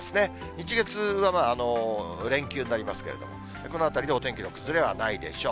日、月は連休になりますけれども、このあたりでお天気の崩れはないでしょう。